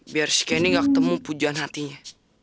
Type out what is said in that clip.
biar si candy gak ketemu pujuan hatinya